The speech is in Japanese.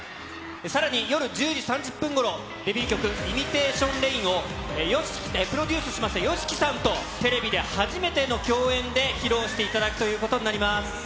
さらに、夜１０時３０分ごろ、デビュー曲、ＩｍｉｔａｔｉｏｎＲａｉｎを、プロデュースしましたＹＯＳＨＩＫＩさんとテレビで初めての共演で披露していただくということになります。